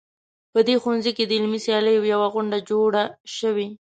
په دې ښوونځي کې د علمي سیالیو یوه غونډه جوړه شوې